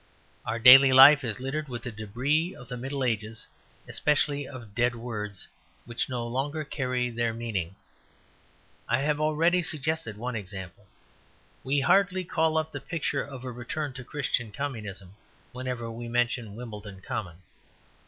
Our daily life is littered with a debris of the Middle Ages, especially of dead words which no longer carry their meaning. I have already suggested one example. We hardly call up the picture of a return to Christian Communism whenever we mention Wimbledon Common.